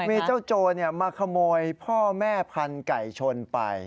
มีเจ้าโจรมาขโมยพ่อแม่พันธุ์ไก่ชนไป